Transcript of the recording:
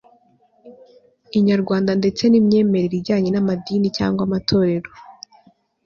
i nyarwanda ndetsen' imyemerere ijyanye n'amadini cyangwa amatorero